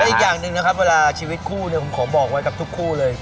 อีกอย่างหนึ่งนะครับเวลาชีวิตคู่เนี่ยผมขอบอกไว้กับทุกคู่เลย